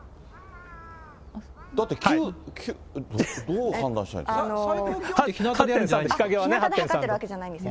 だって、どう判断したらいいんですか。